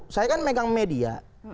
saya kan megang media